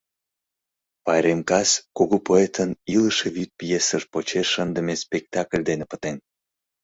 Пайрем кас кугу поэтын «Илыше вӱд» пьесыж почеш шындыме спектакль дене пытен...